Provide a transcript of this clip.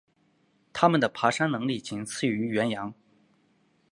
它们的爬山能力仅次于羱羊。